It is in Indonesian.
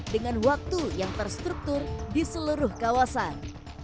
dengan waktu yang terstruktur di seluruh kawasan